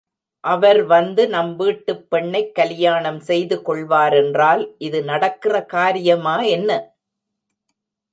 அவர் வந்து நம் வீட்டுப் பெண்ணைக் கலியாணம் செய்து கொள்வாரென்றால், இது நடக்கிற காரியமா என்ன?